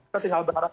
kita tinggal berharap